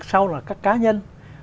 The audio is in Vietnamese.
sau là các cá nhân